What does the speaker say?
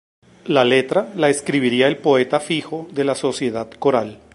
La letra la escribiría el poeta fijo de la sociedad coral.